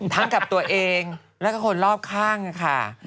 กับตัวเองแล้วก็คนรอบข้างค่ะ